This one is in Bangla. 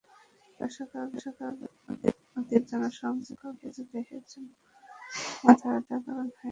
কয়েক দশক আগেও অধিক জনসংখ্যা কিছু দেশের জন্য মাথাব্যথার কারণ হয়ে দাঁড়িয়েছিল।